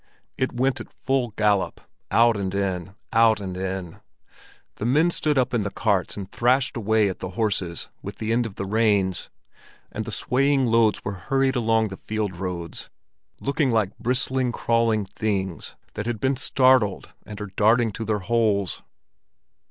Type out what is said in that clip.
It went at full gallop— out and in, out and in. The men stood up in the carts and thrashed away at the horses with the end of the reins, and the swaying loads were hurried along the field roads, looking like little bristling, crawling things, that have been startled and are darting to their holes.